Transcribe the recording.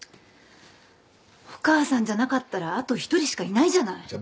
お母さんじゃなかったらあと１人しかいないじゃない。